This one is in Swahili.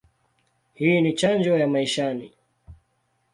Hii ni chanjo ya maishani.